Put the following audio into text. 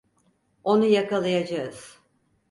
Onu yakalayacağız.